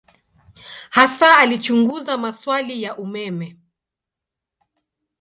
Hasa alichunguza maswali ya umeme.